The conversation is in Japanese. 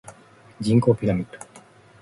人口ピラミッド